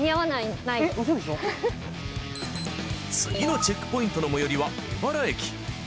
次のチェックポイントの最寄りは江原駅。